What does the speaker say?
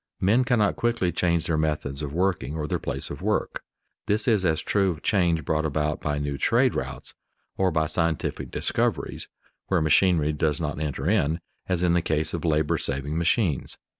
Men cannot quickly change their methods of working or their place of work. This is as true of change brought about by new trade routes or by scientific discoveries (where machinery does not enter in) as in the case of labor saving machines.